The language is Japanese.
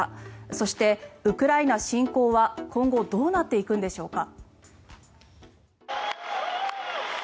そしてウクライナ侵攻は今後どうなっていくんでしょうか。